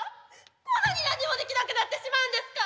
こんなに何にもできなくなってしまうんですか！？